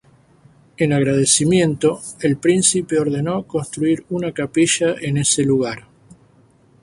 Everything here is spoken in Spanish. En agradecimiento, el príncipe ordenó construir una capilla en ese lugar.